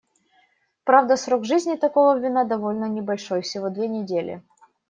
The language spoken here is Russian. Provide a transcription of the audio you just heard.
Правда, срок жизни такого вина довольно небольшой — всего две недели.